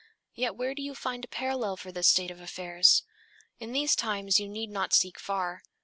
Yet where do you find a parallel for this state of affairs? In these times you need not seek far.